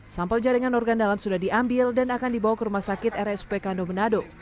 sampel jaringan organ dalam sudah diambil dan akan dibawa ke rumah sakit rsp kando menado